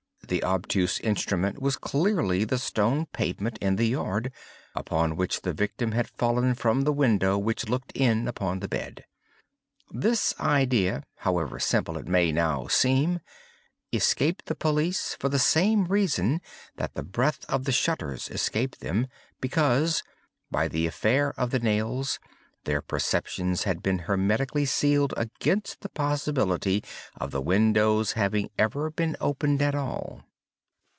The obtuse instrument was clearly the stone pavement in the yard, upon which the victim had fallen from the window which looked in upon the bed. This idea, however simple it may now seem, escaped the police for the same reason that the breadth of the shutters escaped them—because, by the affair of the nails, their perceptions had been hermetically sealed against the possibility of the windows having ever been opened at all.